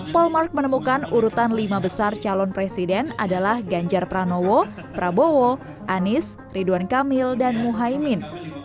polmark menemukan urutan lima besar calon presiden adalah ganjar pranowo prabowo anies ridwan kamil dan muhaymin